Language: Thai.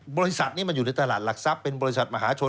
บริษัทนี้มันอยู่ในตลาดหลักทรัพย์เป็นบริษัทมหาชน